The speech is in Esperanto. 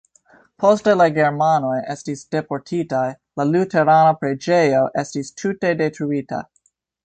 Poste la germanoj estis deportitaj, la luterana preĝejo estis tute detruita.